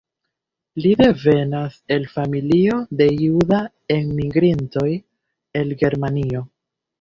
Li devenas el familio de juda enmigrintoj el Germanio.